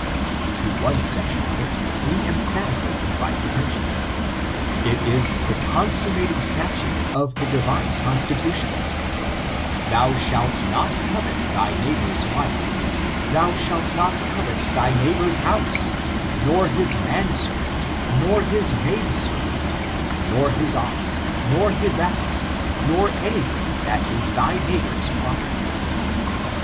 To one section of it, we emphatically invite attention. It is the consummating statute of the divine constitution :" Thou shalt not covet thy neighbor's wife ; thou shalt not covet thy neighbor's house, nor his man servant, nor his maid servant, nor his ox, nor his ass, nor any thing that is thy neighbor's" ^operty.